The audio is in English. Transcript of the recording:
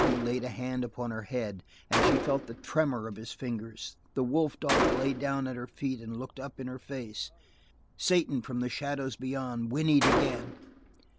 He laid a hand upon her head, and she felt the tremor of his fingers; the wolf dog lay down at her feet and looked up in her face; Satan, from the shadows beyond, whinnied again.